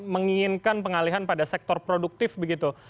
menginginkan pengalihan pada sektor produktif begitu